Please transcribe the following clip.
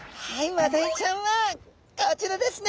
マダイちゃんはこちらですね！